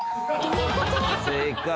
正解。